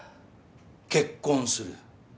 結婚する。